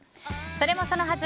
それもそのはず。